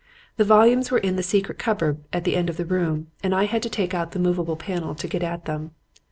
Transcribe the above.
The volumes were in the secret cupboard at the end of the room and I had to take out the movable panel to get at them.